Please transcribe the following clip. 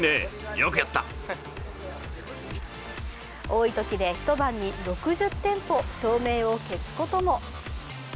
多いときで一晩に６０店舗照明を消すことも。